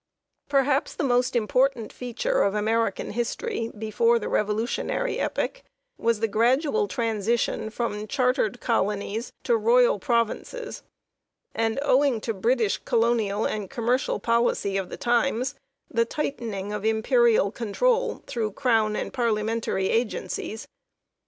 Perhaps the most important feature of American history before the revolutionary epoch was the gradual transition from chartered colonies to royal provinces and, owing to British colonial and commercial policy of the times, the tightening of imperial control through ON AMERICAN DEVELOPMENT 183 Crown and Parliamentary agencies.